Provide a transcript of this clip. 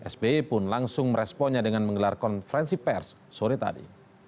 sbi pun langsung meresponnya dengan menggelar konferensi pers sore tadi